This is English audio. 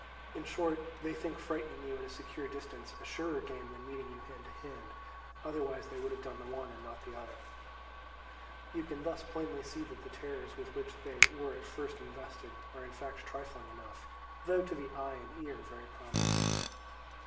In short, they think frightening you at a secure distance a surer game than meeting you hand to hand; otherwise they would have done the one and not the other. You can thus plainly see that the terrors with which they were at first invested are in fact trifling enough, though to the eye and ear very prominent.